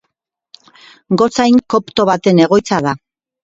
Gotzain kopto baten egoitza da.